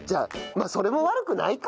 まあそれも悪くないか。